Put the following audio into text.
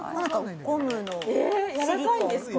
ゴムのやわらかいんですか？